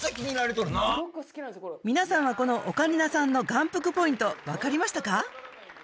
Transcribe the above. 皆さんはこのオカリナさんの眼福ポイント分かりましたか？